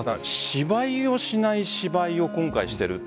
芝居をしない芝居を今回している。